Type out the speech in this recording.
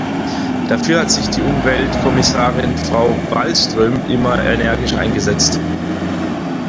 Dafür hat sich die Umweltkommissarin, Frau Wallström, immer energisch eingesetzt.